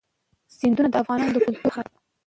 سیندونه د افغانانو د ګټورتیا برخه ده.